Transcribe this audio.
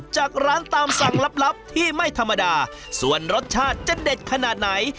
จากร้านตามสั่งลับที่ไม่ธรรมดาส่วนรสชาติจะเด็ดขนาดไหน